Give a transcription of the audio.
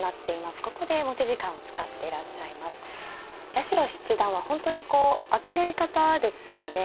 八代七段は本当にこう明るい方ですよね。